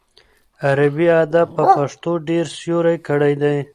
عربي ادب په پښتو ډېر سیوری کړی دی.